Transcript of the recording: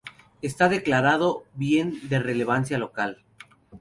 Está declarado bien de relevancia local.